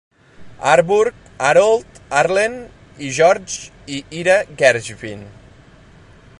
Harburg, Harold Arlen, i George i Ira Gershwin.